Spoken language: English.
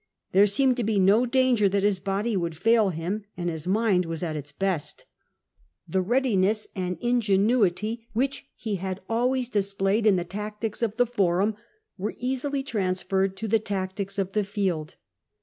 There seemed to be no danger that his body would fail him, and his mind was at its best. The readiness and ingenuity which he had always displayed in the tactics of the Forum were easily transferred to the tactics of the field.